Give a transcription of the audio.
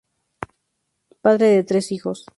Padre de tres hijos.